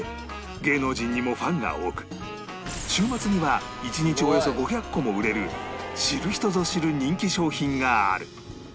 芸能人にもファンが多く週末には一日およそ５００個も売れる知る人ぞ知る人気商品がある